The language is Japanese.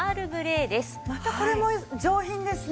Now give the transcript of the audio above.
またこれも上品ですね。